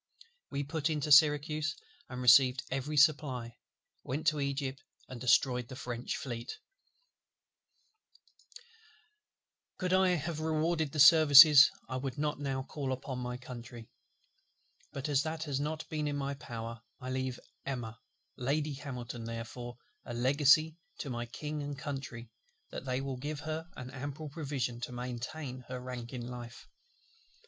We put into Syracuse, and received every supply; went to Egypt, and destroyed the French Fleet: "Could I have rewarded these services, I would not now call upon my Country; but as that has not been in my power, I leave EMMA Lady HAMILTON therefore a legacy to my King and Country, that they will give her an ample provision to maintain her rank in life.